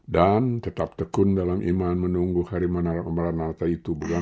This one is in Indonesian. dan tetap tekun dalam iman menunggu hari maranatha itu bukan